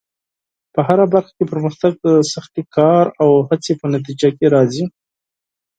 په هره برخه کې پرمختګ د سختې کار او هڅې په نتیجه کې راځي.